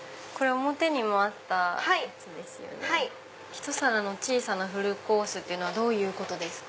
一皿の小さなフルコースっていうのはどういうことですか？